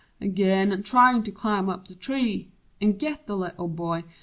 Ag'in, an' try to climb up in the tree An' git the Little Boy.